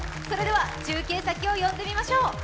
それでは中継先を呼んでみましょう。